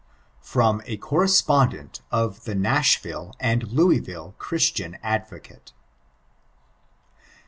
[FROM A GOERESPONDSNT OF THE NASHVILLE AND LOUISVILLE CHRISTIAN ADVOCATE.